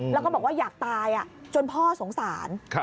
แล้วก็บอกว่าอยากตายจนพ่อสงสาร